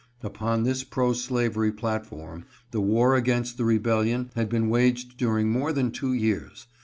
Upon this pro slavery platform the war against the rebellion had been waged during more than two years.